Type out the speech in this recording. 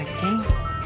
yang ternyata rok